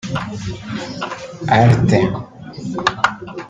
art